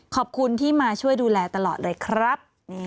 ขอบคุณที่มาช่วยดูแลตลอดเลยครับ